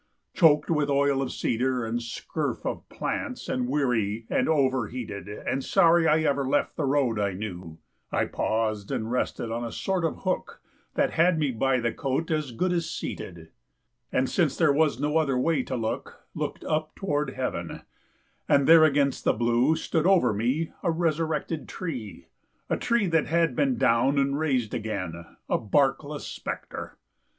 Choked with oil of cedar And scurf of plants, and weary and over heated, And sorry I ever left the road I knew, I paused and rested on a sort of hook That had me by the coat as good as seated, And since there was no other way to look, Looked up toward heaven, and there against the blue, Stood over me a resurrected tree, A tree that had been down and raised again A barkless spectre.